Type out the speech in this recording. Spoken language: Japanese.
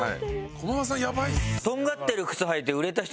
駒場さんやばいっすね。